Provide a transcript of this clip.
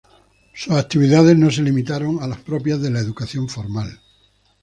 Sus actividades no se limitaron a las propias de la educación formal.